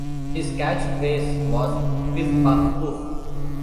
His catchphrase was "Piff Paff Poof!".